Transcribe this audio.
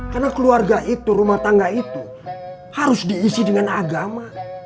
karena keluarga itu rumah tangga itu harus diisi dengan agama